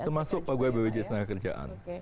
termasuk pegawai bpjs ketenagakerjaan